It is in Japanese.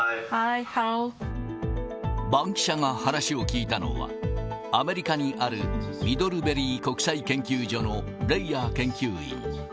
バンキシャが話を聞いたのは、アメリカにある、ミドルベリー国際研究所のレイヤー研究員。